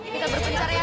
kita berpencar ya